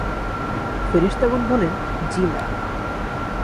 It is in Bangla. ফেরেশতাগণ বলেন, জ্বী না।